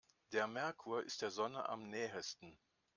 Der Merkur ist der Sonne am nähesten.